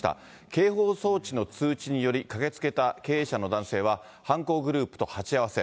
警報装置の通知により駆けつけた経営者の男性は犯行グループと鉢合わせ。